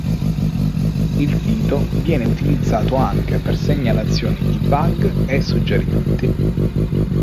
Il sito viene utilizzato anche per segnalazioni di bug e suggerimenti.